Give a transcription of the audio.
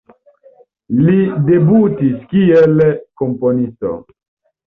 Li debutis kiel komponisto.